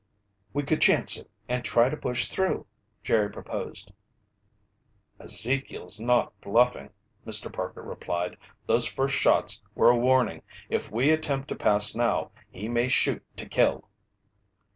"We could chance it and try to push through," Jerry proposed. "Ezekiel's not bluffing," Mr. Parker replied. "Those first shots were a warning. If we attempt to pass now, he may shoot to kill."